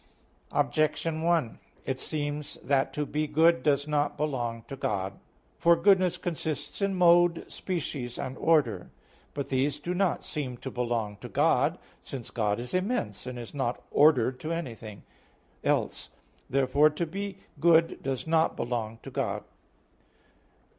Objection 1: It seems that to be good does not belong to God. For goodness consists in mode, species and order. But these do not seem to belong to God; since God is immense and is not ordered to anything else. Therefore to be good does not belong to God.